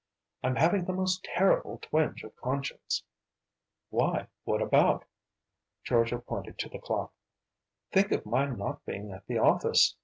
"I'm having the most terrible twinge of conscience." "Why, what about?" Georgia pointed to the clock. "Think of my not being at the office!